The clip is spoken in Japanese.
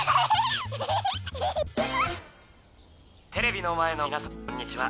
テレビの前の皆さんこんにちは。